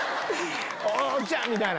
おっちゃん！みたいな。